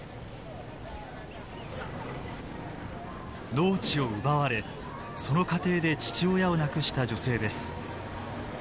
農地を奪われその過程で父親を亡くした女性です。